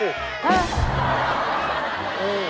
ฮะอืม